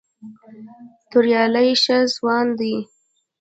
توریالی ښه ځوان دی.